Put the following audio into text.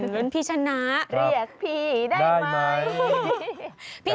รุ่นพี่ชนะได้ไหมเรียกพี่